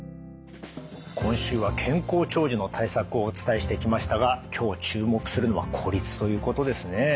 今週は健康長寿の対策をお伝えしてきましたが今日注目するのは孤立ということですね。